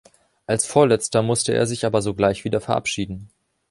Als Vorletzter musste er sich aber sogleich wieder verabschieden.